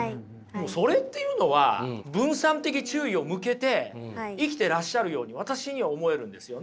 それっていうのは分散的注意を向けて生きていらっしゃるように私には思えるんですよね。